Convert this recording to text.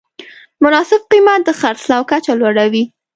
مناسب قیمت د خرڅلاو کچه لوړوي.